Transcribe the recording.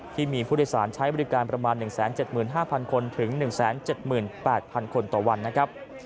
ที่มีผู้โดยสารใช้บริการประมาณ๑๗๕๐๐คนถึง๑๗๘๐๐คนต่อวันนะครับ